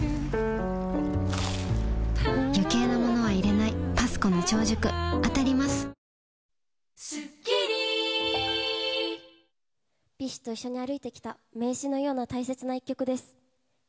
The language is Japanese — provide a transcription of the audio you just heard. なんＢｉＳＨと一緒に歩いてきた、名刺のような大切な一曲です。